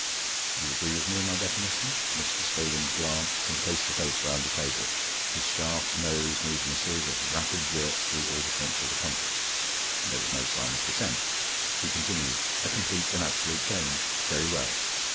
You agree with me in my definition?" Mr. Scogan glanced from face to face round the table; his sharp nose moved in a series of rapid jerks through all the points of the compass. There was no sign of dissent; he continued: "A complete and absolute change; very well.